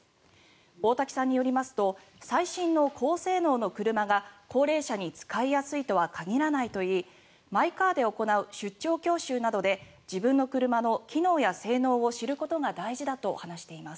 大瀧さんによりますと最新の高性能の車が高齢者に使いやすいとは限らないといいマイカーで行う出張教習などで自分の車の機能や性能を知ることが大事だと話しています。